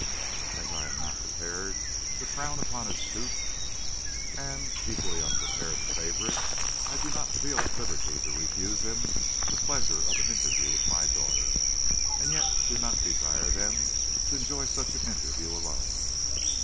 As I am not prepared to frown upon his suit, and equally unprepared to favor it, I do not feel at liberty to refuse him the pleasure of an interview with my daughter, and yet do not desire them to enjoy such an interview alone.